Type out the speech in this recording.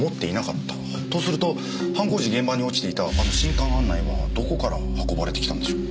とすると犯行時現場に落ちていたあの新刊案内はどこから運ばれてきたんでしょう？